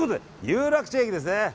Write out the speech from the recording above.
有楽町駅ですね。